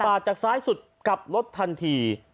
จากซ้ายสุดกลับรถทันที